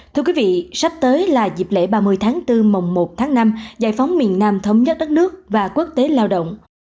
thưa quý vị sắp tới là dịp lễ ba mươi tháng bốn mùng một tháng năm giải phóng miền nam thống nhất đất nước và quốc tế lao động